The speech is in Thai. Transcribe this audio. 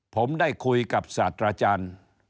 ผมได้คุยกับสาธาราชาญ